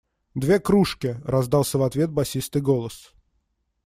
Две кружки! – раздался в ответ басистый голос.